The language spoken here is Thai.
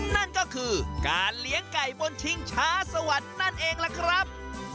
นั่นก็คือการเลี้ยงไก่บนชิงช้าสวรรค์นั่นเองล่ะครับ